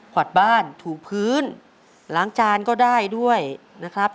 วัดบ้านถูกพื้นล้างจานก็ได้ด้วยนะครับ